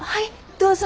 どうぞ。